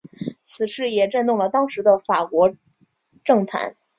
此事也震动了当时的法国政坛。